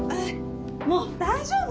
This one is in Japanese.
もう大丈夫？